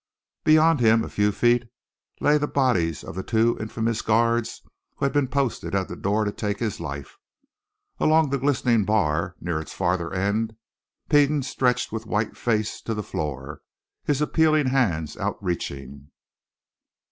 Beyond him a few feet lay the bodies of the two infamous guards who had been posted at the door to take his life; along the glistening bar, near its farther end, Peden stretched with face to the floor, his appealing hands outreaching.